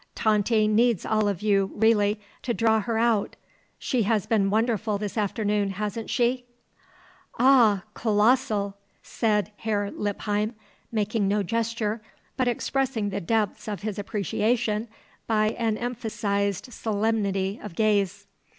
Tante needs all of you, really, to draw her out. She has been wonderful this afternoon, hasn't she?" "Ah, kolossal!" said Herr Lippheim, making no gesture, but expressing the depths of his appreciation by an emphasized solemnity of gaze.